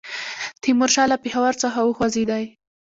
تیمورشاه له پېښور څخه وخوځېدی.